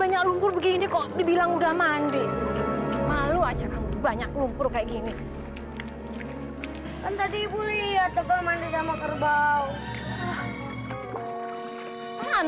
banyak lumpur begini kok dibilang udah mandi malu banyak lumpur kayak gini